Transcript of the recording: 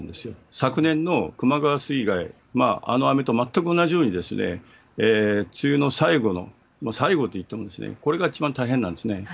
昨年の球磨川水害、あの雨と全く同じように、梅雨の最後の、もう最後といってもこれが一番大変なんですね。